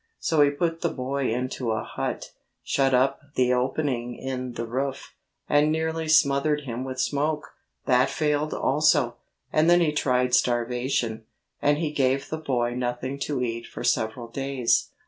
So he put the boy into a hut, shut up the opening in the roof, and nearly smothered him with smoke. That failed also, and then he tried starvation, and he gave the boy nothing to eat for several days.